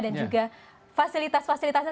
dan juga fasilitas fasilitasnya